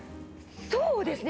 そうですね。